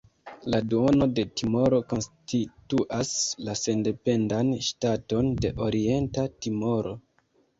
La duono de Timoro konstituas la sendependan ŝtaton de Orienta Timoro.